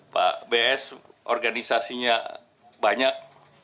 pak bs organisasinya banyak